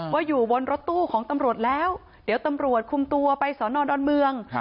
ว่าอยู่บนรถตู้ของตำรวจแล้วเดี๋ยวตำรวจคุมตัวไปสอนอนดอนเมือง